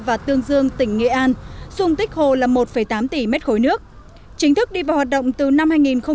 và tương dương tỉnh nghệ an dùng tích hồ là một tám tỷ m ba nước chính thức đi vào hoạt động từ năm